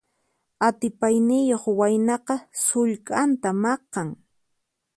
Atipayniyuq waynaqa sullk'anta maqan.